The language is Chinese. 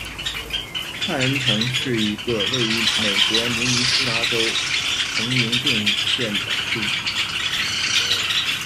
派恩城是一个位于美国明尼苏达州彭宁顿县的都市。